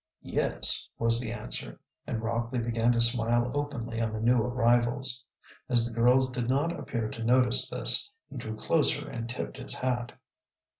"Yes," was the answer, and Rockley began to smile openly on the new arrivals. As the girls did not appear to notice this, he drew closer and tipped his cap.